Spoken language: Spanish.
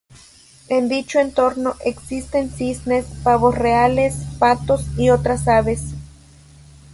En dicho entorno existen cisnes, pavos reales, patos y otras aves.